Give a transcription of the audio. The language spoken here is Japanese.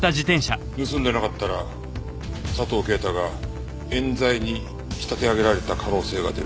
盗んでなかったら佐藤啓太が冤罪に仕立て上げられた可能性が出る。